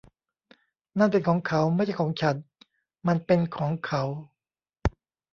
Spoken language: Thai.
นั่นเป็นของเขา ไม่ใช่ของฉัน มันเป็นของเขา